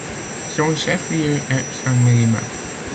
Son chef-lieu est Sangmélima.